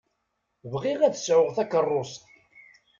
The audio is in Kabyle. Bɣiɣ ad sɛuɣ takeṛṛust.